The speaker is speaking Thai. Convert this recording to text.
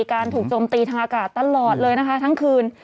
การถูกจมตีทางอากาศตลอดเลยนะคะทั้งคืน